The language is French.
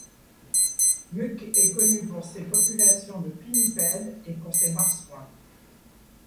Muck est connue pour ses populations de pinnipèdes et pour ses marsouins.